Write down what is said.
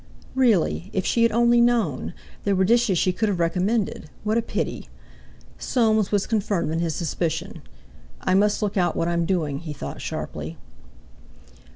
Really! If she had only known! There were dishes she could have recommended; what a pity! Soames was confirmed in his suspicion. "I must look out what I'm doing!" he thought sharply.